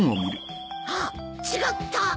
あっ違った！